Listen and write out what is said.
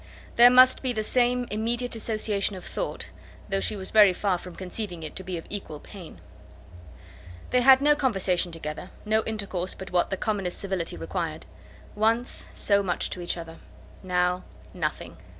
There must be the same immediate association of thought, though she was very far from conceiving it to be of equal pain. They had no conversation together, no intercourse but what the commonest civility required. Once so much to each other! Now nothing!